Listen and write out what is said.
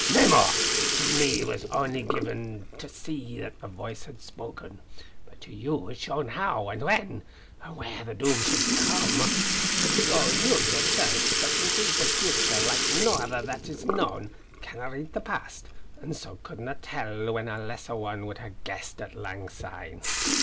Nay more, to me was only given to see that the Voice had spoken. But to you was shown how, and when, and where the Doom should come, though you yersel' that can read the future as no ither that is known, canna read the past; and so could na tell what a lesser one would ha' guessed at lang syne.